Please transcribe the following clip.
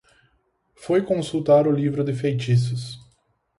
Foi consultar o livro de feitiços